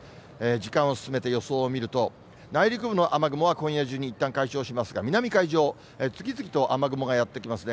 時間を進めて予想を見ると、内陸部の雨雲は今夜中にいったん解消しますが、南海上、次々と雨雲がやって来ますね。